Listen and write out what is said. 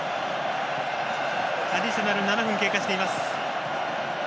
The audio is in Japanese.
アディショナル７分経過しています。